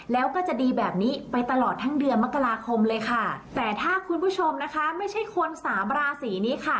แล้วก็จะดีแบบนี้ไปตลอดทั้งเดือนมกราคมเลยค่ะแต่ถ้าคุณผู้ชมนะคะไม่ใช่คนสามราศีนี้ค่ะ